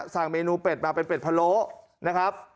สั่งเมนูเป็ดมาเป็นเป็ดพะโลนะครับ